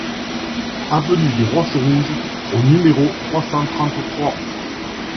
Avenue des Roches Rouges au numéro trois cent trente-trois